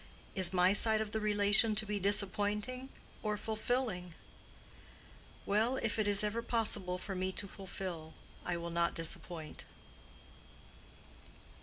Is my side of the relation to be disappointing or fulfilling?—well, if it is ever possible for me to fulfill I will not disappoint."